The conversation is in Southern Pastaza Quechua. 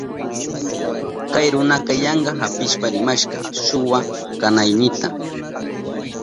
Kay runaka yanka apishpa rimashka shuwa kanaynita.